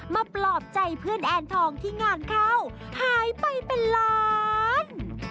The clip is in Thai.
ปลอบใจเพื่อนแอนทองที่งานเข้าหายไปเป็นล้าน